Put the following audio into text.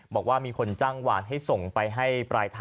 บอกว่ามีคนจ้างหวานให้ส่งไปให้ปลายทาง